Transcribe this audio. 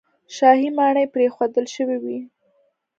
شاهي ماڼۍ پرېښودل شوې وې.